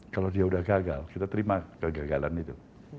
kalau dia sudah gagal kita terima kegagalan itu